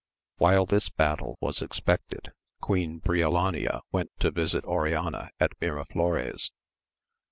While this battle was expected Queen Briolaniawent to visit Oriana at Miraflores.